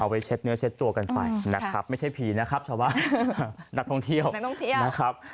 ไปเช็ดเนื้อเช็ดตัวกันไปนะครับไม่ใช่ผีนะครับชาวบ้านนักท่องเที่ยวนะครับ